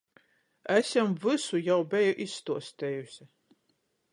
Es jam vysu jau beju izstuostejuse.